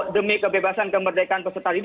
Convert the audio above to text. demi kebebasan kemerdekaan kesertaan